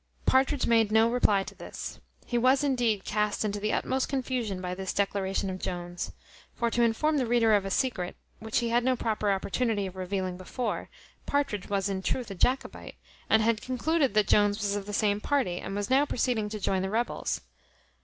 Partridge made no reply to this. He was, indeed, cast into the utmost confusion by this declaration of Jones. For, to inform the reader of a secret, which he had no proper opportunity of revealing before, Partridge was in truth a Jacobite, and had concluded that Jones was of the same party, and was now proceeding to join the rebels.